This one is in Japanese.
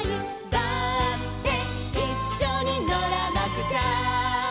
「だっていっしょにのらなくちゃ」